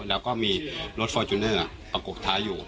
แล้วก็มีรถฟอร์จูเนอร์ประกบท้ายอยู่